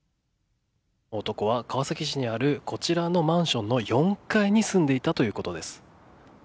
男は川崎市にあるこちらのマンションの４階に住んでいたということです。